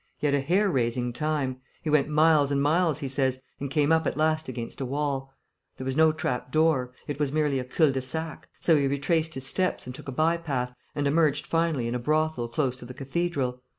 He had a hair raising time. He went miles and miles, he says, and came up at last against a wall. There was no trap door: it was merely a cul de sac. So he retraced his steps and took a by path, and emerged finally in a brothel close to the cathedral.